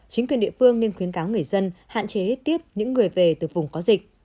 chính quyền địa phương nên khuyến cáo người dân hạn chế tiếp những người về từ vùng có dịch